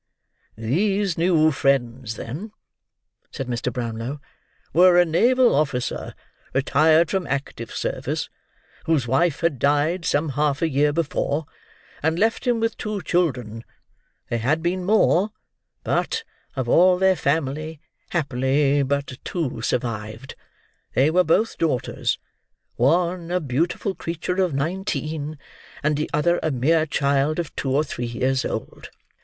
"These new friends, then," said Mr. Brownlow, "were a naval officer retired from active service, whose wife had died some half a year before, and left him with two children—there had been more, but, of all their family, happily but two survived. They were both daughters; one a beautiful creature of nineteen, and the other a mere child of two or three years old."